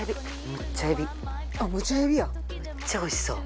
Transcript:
むっちゃおいしそう。